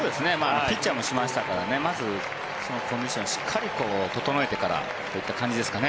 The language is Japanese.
ピッチャーもしましたからまずそのコンディションをしっかり整えてからといった感じですかね。